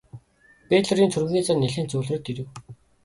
Бэйлорын түрэмгий зан нилээн зөөлрөөд ирэв.